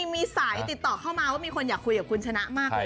มีสายติดต่อเข้ามาว่ามีคนอยากคุยกับคุณชนะมากเลย